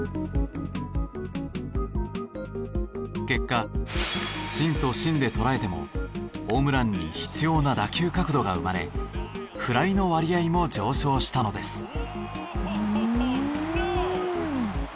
結果芯と芯で捉えてもホームランに必要な打球角度が生まれフライの割合も上昇したのです。